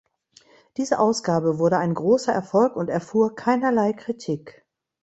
Diese Ausgabe wurde ein großer Erfolg und erfuhr keinerlei Kritik.